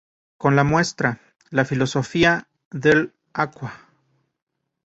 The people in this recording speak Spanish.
Con la muestra "La filosofia dell'acqua.